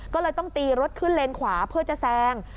ก็เลยต้องตีรถขึ้นเลนขวาเพื่อจะแซง